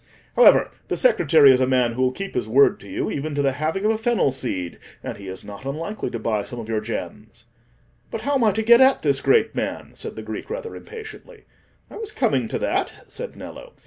However, the secretary is a man who'll keep his word to you, even to the halving of a fennel seed; and he is not unlikely to buy some of your gems." "But how am I to get at this great man?" said the Greek, rather impatiently. "I was coming to that," said Nello.